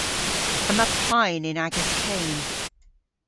Yma payn yn agas keyn.